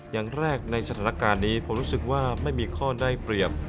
อย่างแรกในสถานการณ์นี้ผมรู้สึกว่าไม่มีข้อได้เปรียบ